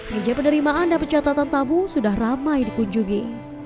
haji penerimaan dan pecatatan tamu sudah ramai dikunjungi